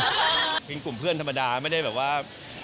เป็นกลุ่มเพื่อนธรรมดาไม่ได้แบบว่า